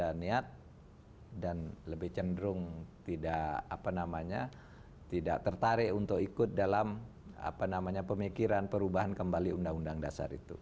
ada niat dan lebih cenderung tidak tertarik untuk ikut dalam pemikiran perubahan kembali undang undang dasar itu